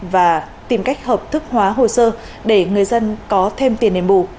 và tìm cách hợp thức hóa hồ sơ để người dân có thêm tiền đền bù